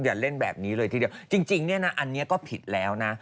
อย่าเล่นแบบนี้เลยทีเดียวจริงเนี่ยนะอันนี้ก็ผิดแล้วนะ